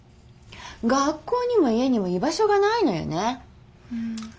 学校にも家にも居場所がないのよね。